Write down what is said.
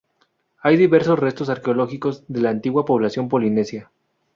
Hay diversos restos arqueológicos de la antigua población polinesia.